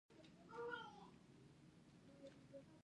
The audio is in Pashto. اپ سټور مې نه خلاصیږي.